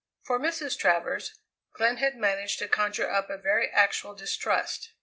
For Mrs. Travers, Glenn had managed to conjure up a very actual distrust.